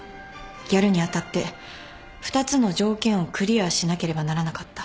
やるにあたって２つの条件をクリアしなければならなかった。